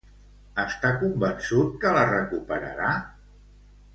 Està convençut que la recuperarà?